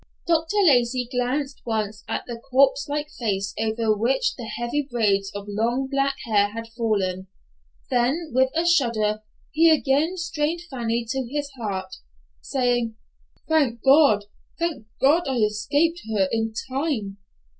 Dr. Lacey glanced once at the corpse like face over which the heavy braids of long black hair had fallen, then with a shudder he again strained Fanny to his heart, saying, "Thank God, thank God, I escaped her in time!"